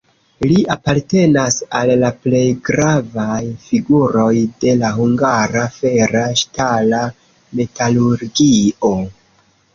Li apartenas al la plej gravaj figuroj de la hungara fera-ŝtala metalurgio.